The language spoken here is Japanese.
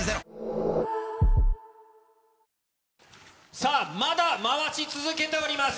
さあ、まだ回し続けております。